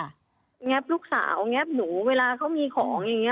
แงบลูกสาวแงบหนูเวลาเขามีของอย่างนี้